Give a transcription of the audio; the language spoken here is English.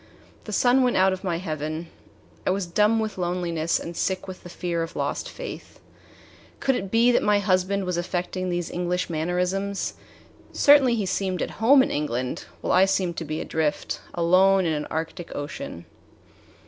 The sun went out of my heaven. I was dumb with loneliness and sick with the fear of lost faith. Could it be that my husband was affecting these English mannerisms? Certainly he seemed at home in England, while I seemed to be adrift, alone in an arctic ocean.